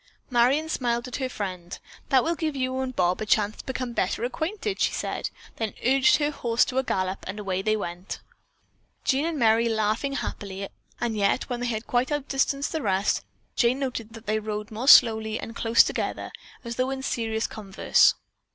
Marion smiled at her friend. "That will give you and Bob a chance to become better acquainted," she said, then urged her horse to a gallop, and away they went, Jean and Merry, laughing happily, and yet when they had quite outdistanced the rest, Jane noted that they rode more slowly and close together, as though in serious converse.